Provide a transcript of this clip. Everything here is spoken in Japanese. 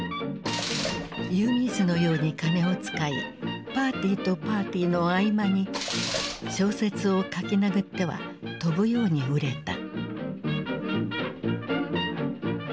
湯水のように金を使いパーティーとパーティーの合間に小説を書きなぐっては飛ぶように売れた。